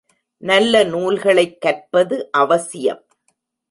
நல்ல நூல்களை கற்பது அவசியம்.